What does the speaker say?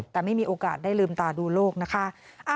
แต่ไม่มีโอกาสได้ลืมตาดูโลกนะคะ